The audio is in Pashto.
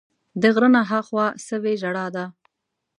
د غره نه ها خوا سوې ژړا ده